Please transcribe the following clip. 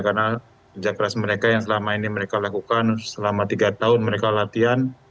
karena kerja keras mereka yang selama ini mereka lakukan selama tiga tahun mereka latihan